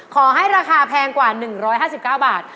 ขอให้ราคาแพงกว่า๑๕๙บาท